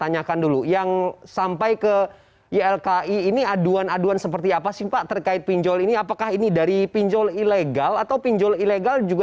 ya selamat sore